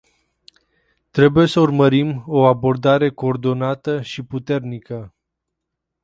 Trebuie să urmărim o abordare coordonată și puternică.